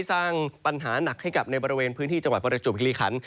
สร้างปัญหาหนักให้กับในบริเวณพื้นที่จังหวัดประจวบคิริขัน